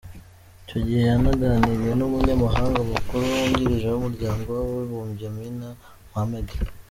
Icyo gihe yanaganiriye n’Umunyamabanga Mukuru Wungirije w’Umuryango w’Abibumbye, Amina Mohammed.